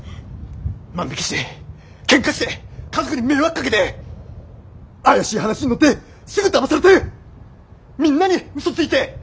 万引きしてケンカして家族に迷惑かけて怪しい話に乗ってすぐだまされてみんなにウソついて。